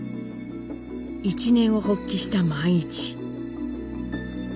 一念を発起した萬一。